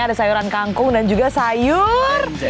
ada sayuran kangkung dan juga sayur